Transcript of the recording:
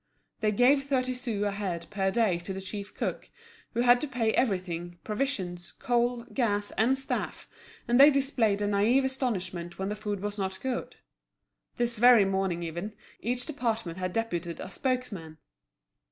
They gave thirty sous a head per day to the chief cook, who had to pay everything, provisions, coal, gas, and staff, and they displayed a naïve astonishment when the food was not good. This very morning even, each department had deputed a spokesman.